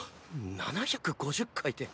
７５０回て。